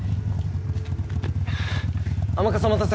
甘春お待たせ。